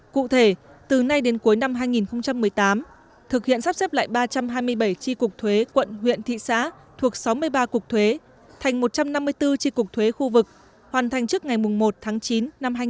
cụ thể từ nay đến cuối năm hai nghìn một mươi tám thực hiện sắp xếp lại ba trăm hai mươi bảy tri cục thuế quận huyện thị xã thuộc sáu mươi ba cục thuế thành một trăm năm mươi bốn tri cục thuế khu vực hoàn thành trước ngày một tháng chín năm hai nghìn một mươi chín